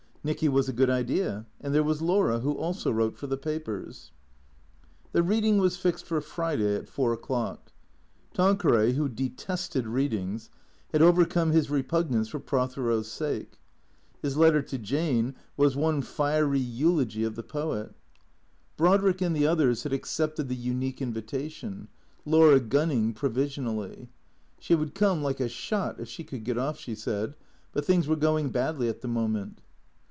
Xicky was a good idea, and there was Laura who also wrote for the papers. The reading was fixed for Friday at four o'clock. Tanqueray, who detested readings, had overcome his repugnance for Pro thero's sake. His letter to Jane was one fiery eulogy of the 187 188 T H E C E E A T 0 R S poet. Brodrick and the others had accepted the unique invita tion, Laura Gunning provisionally. She would come like a shot, if she could get off, she said, but things were going badly at the moment.